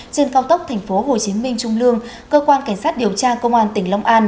trên cao tốc tp hcm trung lương cơ quan cảnh sát điều tra công an tỉnh long an